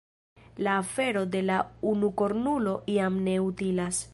La afero de la unukornulo jam ne utilas.